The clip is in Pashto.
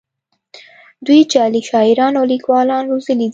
دوی جعلي شاعران او لیکوالان روزلي دي